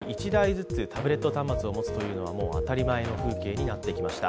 子供たちが教室で１人１台ずつタブレット端末を持つというのは当たり前の風景になってきました。